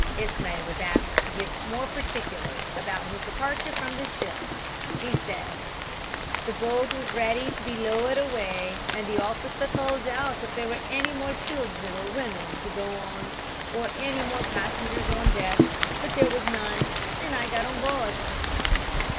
Ismay was asked to give more particulars about his departure from the ship. He said: "The boat was ready to be lowered away and the officer called out if there were any more women or children to go or any more passengers on deck, but there was none, and I got on board."